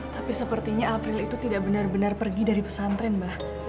tapi sepertinya april itu tidak benar benar pergi dari pesantren mbak